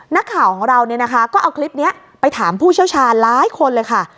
นักข่าวของเราเนี่ยนะคะก็เอาคลิปนี้ไปถามผู้เชี่ยวชาญหลายคนเลยค่ะ